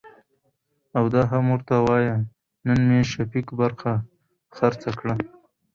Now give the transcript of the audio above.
او دا هم ورته وايه نن مې شفيق برخه خرڅه کړه .